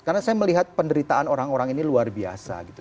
karena saya melihat penderitaan orang orang ini luar biasa gitu